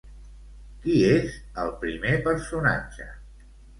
Qui és el primer personatge?